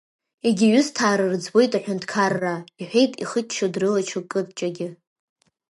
Егьа ҩысҭаара рыӡбуеит аҳәынҭқараа, – иҳәеит ихыччоз дрылаччо, Кыҷагьы.